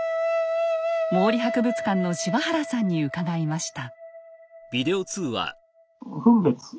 毛利博物館の柴原さんに伺いました。